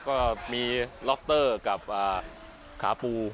ก็มีล็อกเตอร์กับขาปู